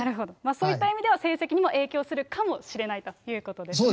そういった意味では成績にも影響するかもしれないということですね。